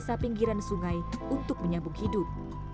desa pinggiran sungai untuk menyambung hidup